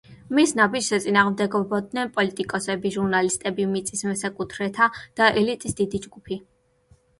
მის ნაბიჯს ეწინააღმდეგებოდნენ პოლიტიკოსები, ჟურნალისტები, მიწის მესაკუთრეთა და ელიტის დიდი ჯგუფი.